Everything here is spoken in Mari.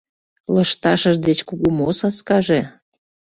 Лышташыж деч кугу мо саскаже?